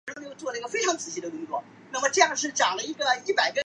王子凌是一名中国前排球运动员。